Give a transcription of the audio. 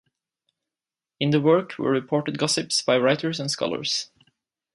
In the work were reported gossips by writers and scholars.